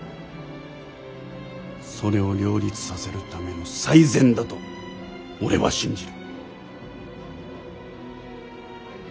それを両立させるための最善だと俺は信じる。